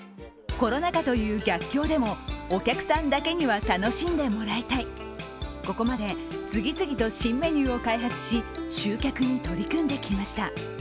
コロナ禍という逆境でもお客さんだけには楽しんでもらいたい、ここまで次々と新メニューを開発し集客に取り組んできました。